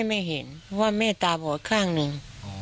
เอ้อไม่ไม่เห็นเพราะเราตาบอดข้างหนึ่ง